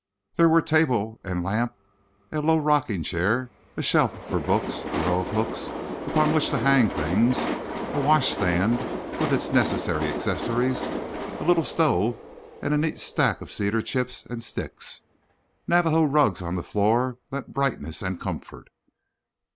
There were table and lamp, a low rocking chair, a shelf for books, a row of hooks upon which to hang things, a washstand with its necessary accessories, a little stove and a neat stack of cedar chips and sticks. Navajo rugs on the floor lent brightness and comfort.